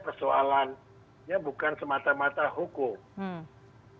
persoalannya bukan semata mata hukum